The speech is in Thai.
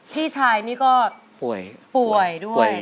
พี่ชายนี่ก็ป่วยด้วย